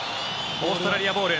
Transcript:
オーストラリアボール。